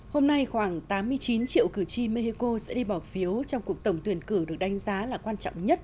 hôm nay khoảng tám mươi chín triệu cử tri mexico sẽ đi bỏ phiếu trong cuộc tổng tuyển cử được đánh giá là quan trọng nhất